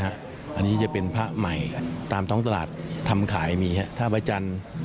อันนี้จะเป็นพระใหม่ตามท้องตลาดทำขายมีครับถ้าพระจันทร์